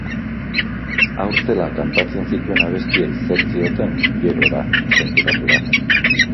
Haur zela kantatzen zituen abestiek zer zioten gerora konturatu da.